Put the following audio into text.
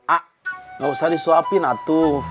ah gak usah disuapin atu